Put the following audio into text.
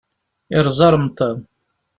Yerẓa remḍan.